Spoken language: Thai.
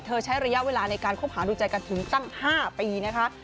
ใช้ระยะเวลาในการคบหาดูใจกันถึงตั้ง๕ปีนะคะ